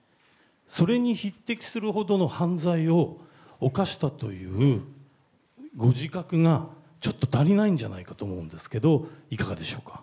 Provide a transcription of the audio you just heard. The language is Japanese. それに匹敵するほどの犯罪を犯したというご自覚がちょっと足りないんじゃないかと思うんですけど、いかがでしょうか。